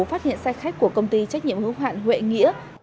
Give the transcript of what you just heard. phát hiện xe khách của công ty trách nhiệm hữu hạn huệ nghĩa